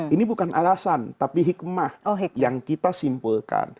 ini bukan alasan tapi hikmah yang kita simpulkan